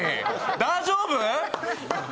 大丈夫？